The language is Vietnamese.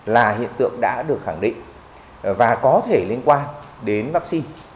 là hiện tượng đã được khẳng định và có thể liên quan đến vaccine